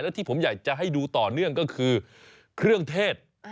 และที่ผมอยากจะให้ดูต่อเนื่องก็คือเครื่องเทศ